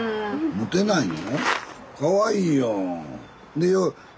モテないの？